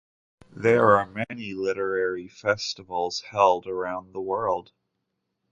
There are many literary festivals held around the world.